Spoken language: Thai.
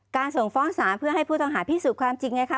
ส่งฟ้องศาลเพื่อให้ผู้ต้องหาพิสูจน์ความจริงไงคะ